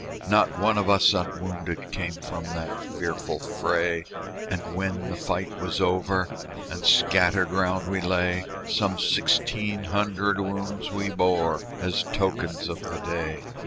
Not one of us unwounded Came from the fearful fray; And when the fight was over And scattered round we lay, Some sixteen hundred wounds we bore As tokens of the day.